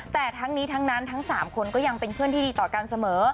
แต่ทั้งนี้ทั้งนั้นทั้ง๓คนก็ยังเป็นเพื่อนที่ดีต่อกันเสมอ